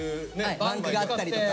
バンクがあったりとか。